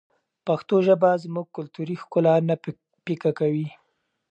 پښتو ژبه زموږ کلتوري ښکلا نه پیکه کوي.